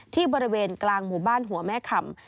ที่บริเวณกลางหมู่บ้านหัวแม่คำ